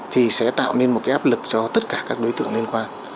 thì sẽ tạo nên một cái áp lực cho tất cả các đối tượng liên quan